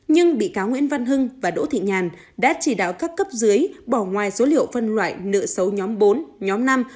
nhưng bị cáo nguyễn văn hưng và đỗ thị nhàn đã chỉ đạo các cấp dưới bỏ ngoài số liệu phân loại nợ xấu nhóm bốn nhóm năm